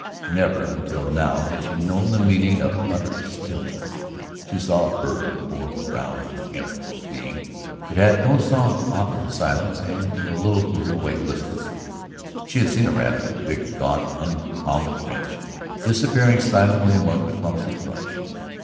Never until now had she known the meaning of utter stillness. She saw a bird, a poor brown, unkempt little being; it had no song to offer the silence, and in a little flew away listlessly. She had seen a rabbit, a big, gaunt, uncomely wretch, disappearing silently among the clumps of brush.